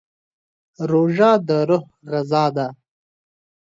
روژه د روح غذا ده.